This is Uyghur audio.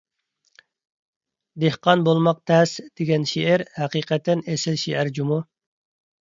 «دېھقان بولماق تەس» دېگەن شېئىر ھەقىقەتەن ئېسىل شېئىر جۇمۇ.